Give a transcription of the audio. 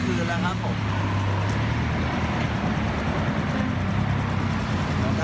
โอ้โหที่นี่มันเตี้ยมพื้นละห๊ะ